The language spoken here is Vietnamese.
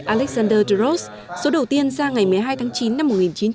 alexander derose số đầu tiên ra ngày một mươi hai tháng chín năm một nghìn chín trăm bốn mươi